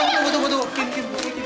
tunggu tunggu tunggu tunggu